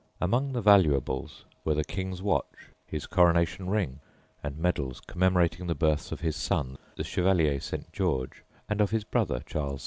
Among the valuables were the King's watch, his coronation ring, and medals commemorating the births of his son the Chevalier St. George and of his brother Charles II.